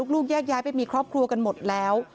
แยกย้ายไปมีครอบครัวกันหมดแล้ว